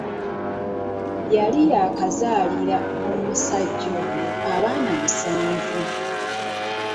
Yali yaakazaalira musajja oyo abaana musanvu.